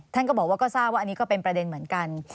ท่านก็บอกว่าก็ทราบว่าอันนี้ก็เป็นประเด็นเหมือนกัน